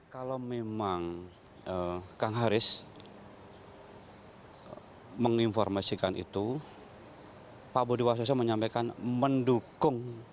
kalau memang kang haris menginformasikan itu pak budi warso menyampaikan mendukung